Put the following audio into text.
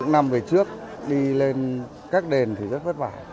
bốn năm về trước đi lên các đền thì rất vất vả